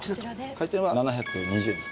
廻転は７２０円です。